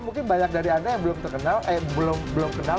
mungkin banyak dari anda yang belum terkenal eh belum kenal